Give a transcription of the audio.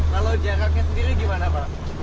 kalau jaraknya sendiri gimana pak